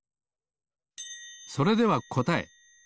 それではこたえ。